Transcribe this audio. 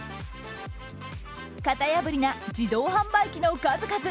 型破りな自動販売機の数々。